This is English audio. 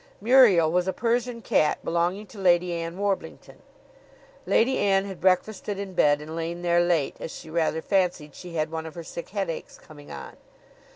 Muriel was a Persian cat belonging to Lady Ann Warblington. Lady Ann had breakfasted in bed and lain there late, as she rather fancied she had one of her sick headaches coming on.